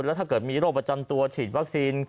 แล้วถ้าเกิดมีโรคประจำตัวฉีดวัคซีน